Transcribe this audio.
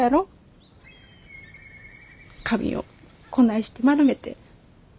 髪をこないして丸めて。